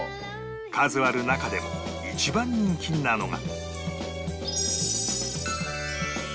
数ある中でも一番人気なのが